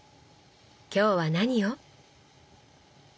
今日は何を？